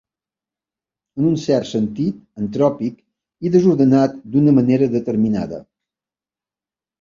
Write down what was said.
En un cert sentit, entròpic i desordenat d'una manera determinada.